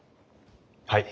はい。